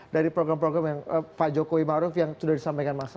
dari program program yang pak jokowi maruf yang sudah disampaikan mas anies